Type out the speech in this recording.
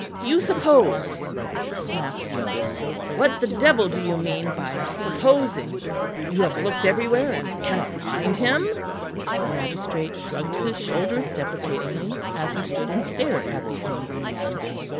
"You suppose!" snapped the other. "What the devil do you mean by supposing? You have looked everywhere and cannot find him?" The magistrate shrugged his shoulders deprecatingly, as he stood and stared at the angry man.